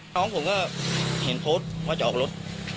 น้องผมก็เห็นโพสต์ว่าจะออกรถ